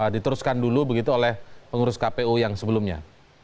diteruskan dulu begitu oleh pengurus kpu yang sebelumnya